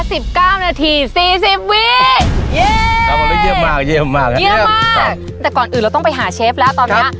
สิบเก้านาทีสี่สิบวินเย้เยี่ยมมากเยี่ยมมากเยี่ยมมากแต่ก่อนอื่นเราต้องไปหาเชฟแล้วตอนนี้ครับ